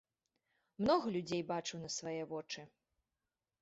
Многа людзей бачыў на свае вочы.